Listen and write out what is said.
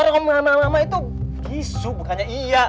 karena itu bisu bukannya iya